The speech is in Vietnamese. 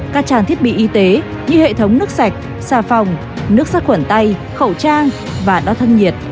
các trang thiết bị y tế như hệ thống nước sạch xà phòng nước sát khuẩn tay khẩu trang và đo thân nhiệt